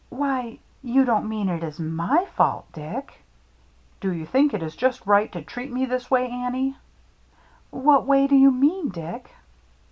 "Why — you don't mean it is my fault, Dick?" " Do you think it is just right to treat me this way, Annie ?"" What way do you mean, Dick